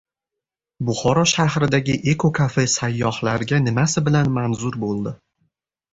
Buxoro shahridagi eko-kafe sayyohlarga nimasi bilan manzur boʻldi?